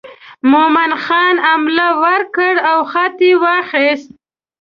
مومن خان حمله ور کړه او خط یې واخیست.